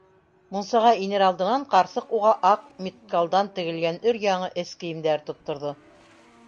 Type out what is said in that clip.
Мунсаға инер алдынан ҡарсыҡ уға аҡ меткалдан тегелгән өр-яңы эс кейемдәре тотторҙо: